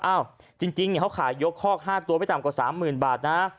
จริงเขาขายยกคอก๕ตัวไม่ต่ำกว่า๓๐๐๐บาทนะ